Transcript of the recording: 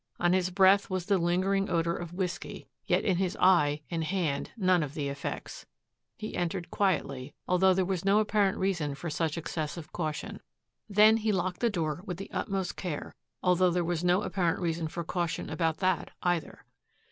On his breath was the lingering odor of whisky, yet in his eye and hand none of the effects. He entered quietly, although there was no apparent reason for such excessive caution. Then he locked the door with the utmost care, although there was no apparent reason for caution about that, either.